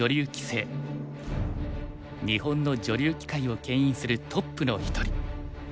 日本の女流棋界をけん引するトップの一人。